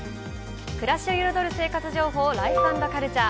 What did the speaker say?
暮らしを彩る生活情報、「ライフ＆カルチャー」。